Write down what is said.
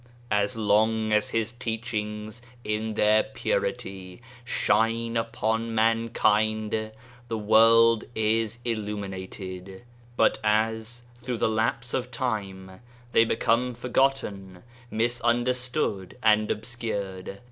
As long as His teachings in their purity shine upon mankind, the world is illum inated ; but as through the lapse of time they become forgotten, misunderstood, and obscured.